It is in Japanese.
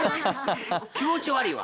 気持ち悪いわ！